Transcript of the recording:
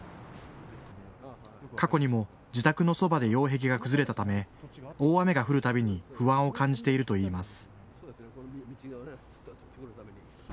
過去にも自宅のそばで擁壁が崩れたため大雨が降るたびに不安を感じているといいます。